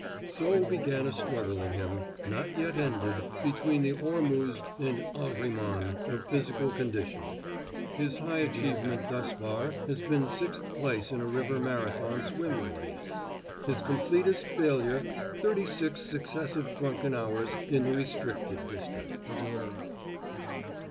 So began a struggle in him, not yet ended, between the Ormuzd and Ahriman of physical condition. His high achievement thus far has been sixth place in a river Marathon swimming race, his completest failure thirty six successive drunken hours in the restricted district.